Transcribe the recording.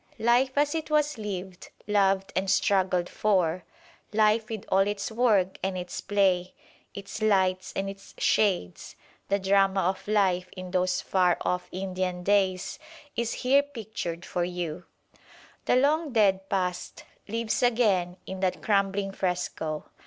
Life as it was lived, loved and struggled for; life with all its work and its play, its lights and its shades; the drama of life in those far off Indian days, is here pictured for you. The long dead past lives again in that crumbling fresco.